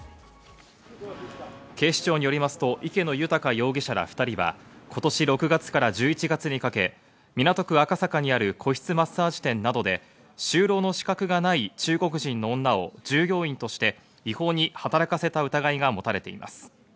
警視庁によりますと、池野豊容疑者ら２人は今年６月から１１月にかけ港区赤坂にある個室マッサージ店などで就労の資格がない中国人の女を従業員として違法に働かせた疑いが持たれています。